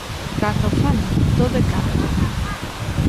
Cando falan, todo é canto.